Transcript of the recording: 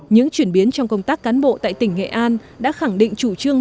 những chuyển biến trong công tác cán bộ tại tỉnh nghệ an đã khẳng định chủ trương